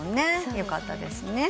よかったですね。